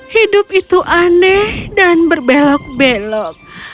hidup itu aneh dan berbelok belok